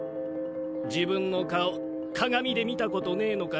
自分の顔鏡で見たことねぇのか？